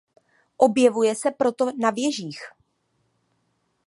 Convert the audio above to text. Objevuje se proto na věžích.